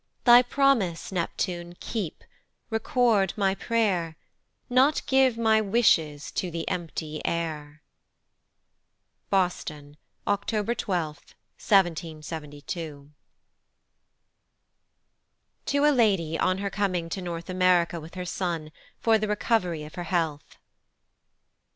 Thy promise, Neptune keep, record my pray'r, Not give my wishes to the empty air. Boston, October 12, 1772. To a LADY on her coming to North America with her Son, for the Recovery of her Health.